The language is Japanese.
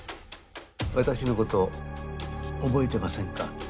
私のこと覚えてませんか？